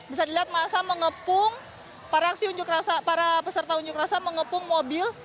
bisa dilihat masa mengepung para aksi unjuk rasa para peserta unjuk rasa mengepung mobil